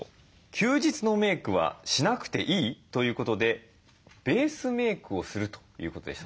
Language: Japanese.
「休日のメークはしなくていい？」ということで「ベースメークをする」ということでした。